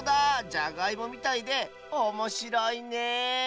じゃがいもみたいでおもしろいね